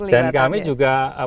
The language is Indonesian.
dan kami juga